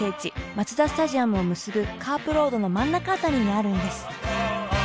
マツダスタジアムを結ぶカープロードの真ん中辺りにあるんです。